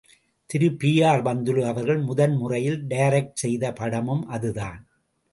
திரு பி.ஆர்.பந்துலு அவர்கள் முதன் முதலில் டைரக்ட் செய்த படமும் அதுதான்!